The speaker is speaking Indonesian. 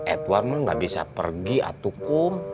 edward nggak bisa pergi atukum